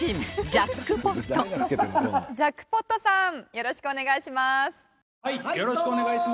よろしくお願いします！